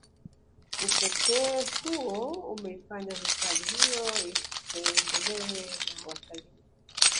Upekee huo umeifanya hifahdi hiyo itembelewe na watalii